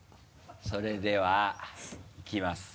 それではいきます。